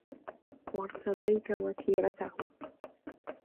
وَارْتَضَيْتَ وَتِيرَتَهُ